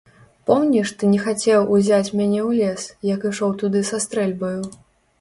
Помніш, ты не хацеў узяць мяне ў лес, як ішоў туды са стрэльбаю.